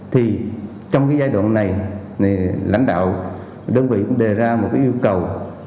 thì trong cái giai đoạn này lãnh đạo đơn vị cũng đề ra một cái yêu cầu